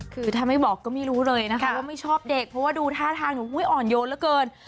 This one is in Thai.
คือถ้าไม่บอกก็ไม่รู้เลยนะคะว่าไม่ชอบเด็กเพราะว่าดูท่าทางหนูอ่อนโยนเหลือเกิน